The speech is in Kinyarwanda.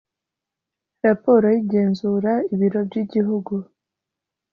raporo y igenzura ibiro by Igihugu